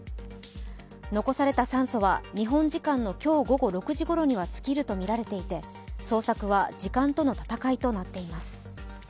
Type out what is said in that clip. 残された酸素は、日本時間の今日午後６時ごろには尽きるとみられていて捜索は時間との戦いとなっています。